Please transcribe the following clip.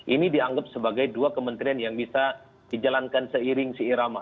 ini dianggap sebagai dua kementerian yang bisa dijalankan seiring si irama